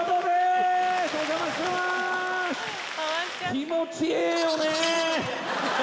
気持ちええよね！